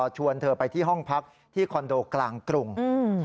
ชวนเธอไปที่ห้องพักที่คอนโดกลางกรุง